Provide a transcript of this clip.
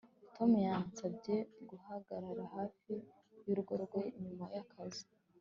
Tom yansabye guhagarara hafi yurugo rwe nyuma yakazi